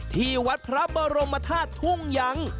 ที่วัดพระบรมธาตุทุ่งยัง